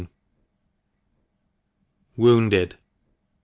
WOUNDED.